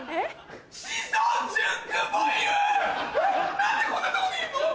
何でこんな所にいんの？